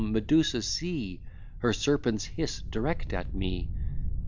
Medusa see, Her serpents hiss direct at me.